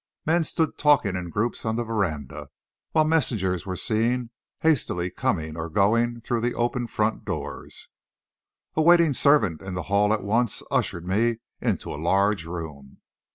Men stood talking in groups on the veranda, while messengers were seen hastily coming or going through the open front doors. A waiting servant in the hall at once ushered me into a large room.